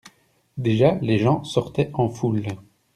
Déjà les gens sortaient en foule.